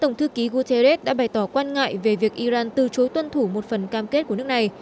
guterres đã bày tỏ quan ngại về việc iran từ chối tuân thủ một phần cam kết của nước này